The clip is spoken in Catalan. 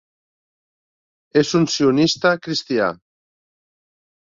És un sionista cristià.